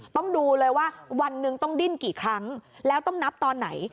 ต้องดูเลยว่าวันหนึ่งต้องดิ้นกี่ครั้งแล้วต้องนับตอนไหน